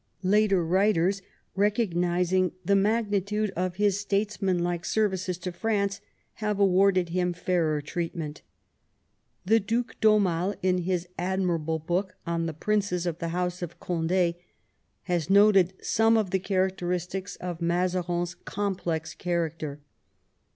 Later writers, recognising the magnitude of his statesmanlike services to France, have awarded him fairer treatment The Due d'Aumale, in his admirable work on The Princes of the House of CondS^ has noted some of the charac teristics of Mazarin's complex character.